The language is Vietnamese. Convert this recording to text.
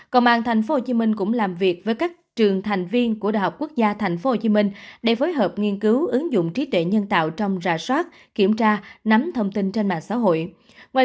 công an tp hcm cũng làm việc với các trường thành viên của đhq tp hcm để phối hợp nghiên cứu ứng dụng trí tuệ nhân tạo trong rã soát kiểm tra nắm thông tin trên mạng xã hội